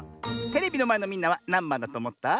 テレビのまえのみんなはなんばんだとおもった？